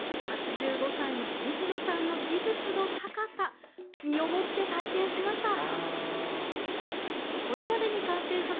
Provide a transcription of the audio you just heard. ８５歳の西野さんの技術の高さ身をもって体験しました。